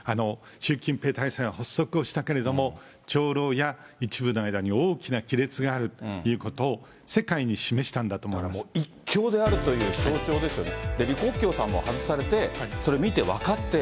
習近平体制が発足をしたけれども、長老や一部の間に大きな亀裂があるということを、だからもう、一強であるという象徴ですよね。